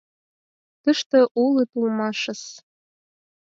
Тыште улыт улмашыс...